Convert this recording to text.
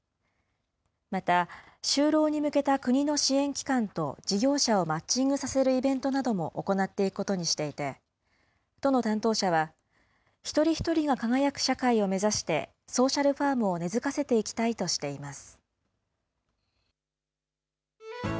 また、就労に向けた国の支援機関と事業者をマッチングさせるイベントなども行っていくことにしていて、都の担当者は、一人一人が輝く社会を目指して、ソーシャルファームを根づかせていきたいとしています。